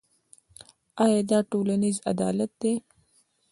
دا ټولنیز عدالت دی.